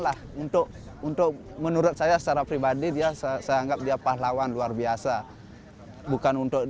lah untuk untuk menurut saya secara pribadi dia saya anggap dia pahlawan luar biasa bukan untuk